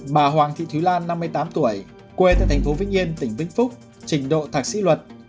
bà hoàng thị thúy lan năm mươi tám tuổi quê tại thành phố vĩnh yên tỉnh vĩnh phúc trình độ thạc sĩ luật